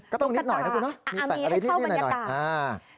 ก็ต้องนิดหน่อยนะคุณเนอะเอามีให้เข้าบรรยากาศ